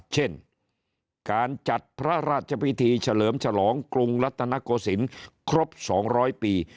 เช่นการจัดพระราชพิธีเฉลิมฉลองกรุงรัฐนโกศิลป์ครบ๒๐๐ปี